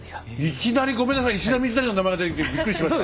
いきなりごめんなさい石田三成の名前が出てきてびっくりしました。